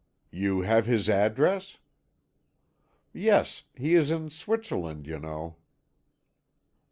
"You have his address?" "Yes; he is in Switzerland, you know."